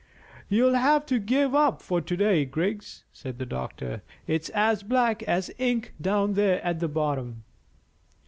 "You'll have to give up for to day, Griggs," said the doctor; "it's as black as ink down there at the bottom."